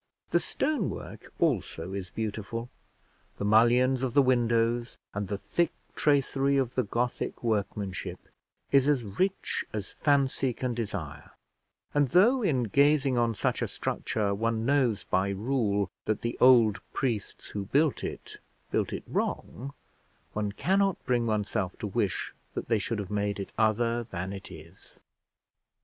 The stone work also is beautiful; the mullions of the windows and the thick tracery of the Gothic workmanship is as rich as fancy can desire; and though in gazing on such a structure one knows by rule that the old priests who built it, built it wrong, one cannot bring oneself to wish that they should have made it other than it is.